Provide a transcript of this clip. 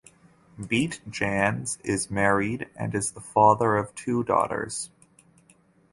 Beat Jans is married and is the father of two daughters.